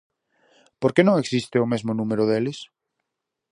Por que non existe o mesmo número deles?